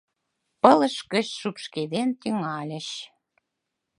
Пылыш гыч шупшкеден тӱҥальыч: